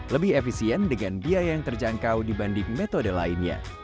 lebih efisien dengan biaya yang terjangkau dibanding metode lainnya